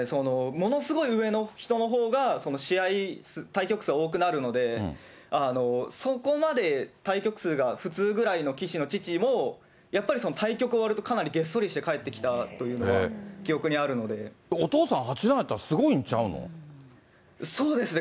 ものすごい上の人のほうが、試合、対局数多くなるので、そこまで対局数が普通ぐらいの棋士の父も、やっぱり対局終わるとかなりげっそりして帰ってきたっていう記憶お父さん、八段ってすごいんそうですね。